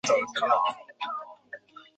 该产物可由水和乙腈重结晶。